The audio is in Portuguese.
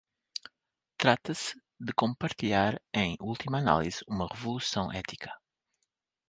Trata-se de compartilhar, em última análise, uma revolução ética.